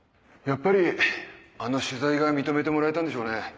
やっぱりあの取材が認めてもらえたんでしょうね。